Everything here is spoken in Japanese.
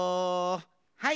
はい！